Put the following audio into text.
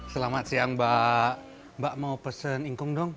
selamat siang mbak mau pesen ingkung dong